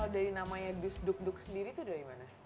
dari namanya dus duk duk sendiri itu dari mana